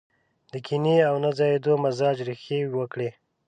د کينې او نه ځايېدو مزاج ريښې وکړي.